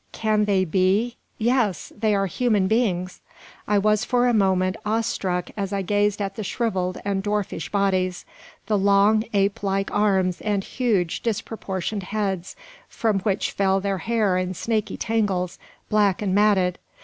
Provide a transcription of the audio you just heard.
Can they be yes, they are human beings! I was for a moment awe struck as I gazed at the shrivelled and dwarfish bodies, the long, ape like arms, and huge disproportioned heads, from which fell their hair in snaky tangles, black and matted.